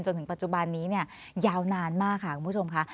จนถึงปัจจุบันนี้เนี่ยยาวนานมากค่ะคุณผู้ชมค่ะ